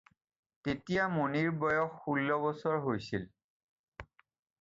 তেতিয়া মণিৰ বয়স ষোল বছৰ হৈছিল।